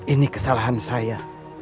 ini kesalahan saya